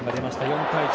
４対１。